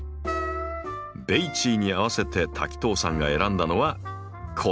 ベイチーに合わせて滝藤さんが選んだのはこちら。